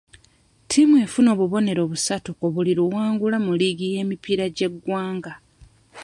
Ttiimu efuna obubonero busatu ku buli luwangula mu liigi y'omupiira ey'eggwanga.